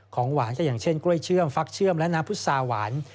ของหวานก็อย่างเช่นกล้วยเชื่อมฟักเชื่อมและน้ำพุษาหวาน